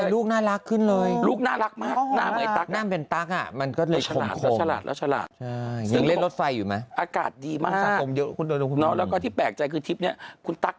ลูกน่ารักขึ้นเลยลูกน่ารักมากเป็นจังของไว้ชะละเลยลดไฟอยู่มั้ยอากาศดีมากแล้วแล้วพี่แปลกใจคือทิศ